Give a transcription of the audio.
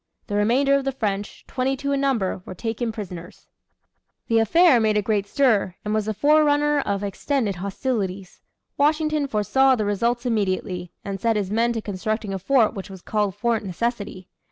The remainder of the French, twenty two in number, were taken prisoners. The affair made a great stir, and was the forerunner of extended hostilities. Washington foresaw the results immediately, and set his men to constructing a fort which was called Fort Necessity.